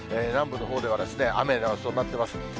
南部のほうでは雨の予想になってます。